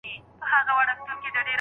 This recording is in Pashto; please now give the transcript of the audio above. هغوی به هیڅکله بدمرغه نه سي.